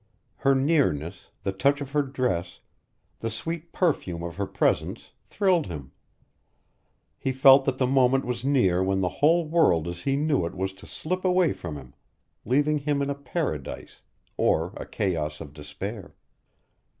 Her nearness, the touch of her dress, the sweet perfume of her presence, thrilled him. He felt that the moment was near when the whole world as he knew it was to slip away from him, leaving him in a paradise, or a chaos of despair.